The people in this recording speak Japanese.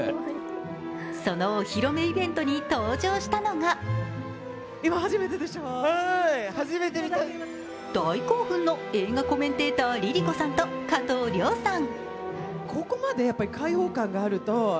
そのお披露目イベントに登場したのが大興奮の映画コメンテーター、ＬｉＬｉＣｏさんと加藤諒さん。